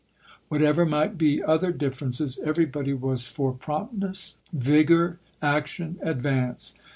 What ever might be other differences, everybody was for promptness, vigor, action, advance.